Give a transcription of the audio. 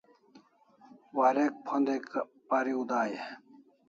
Warek phondai pariu dai e?